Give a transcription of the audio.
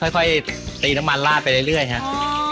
ค่อยตีน้ำมันลาดไปเรื่อยครับ